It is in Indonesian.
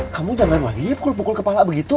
kamu jangan lagi pukul pukul kepala begitu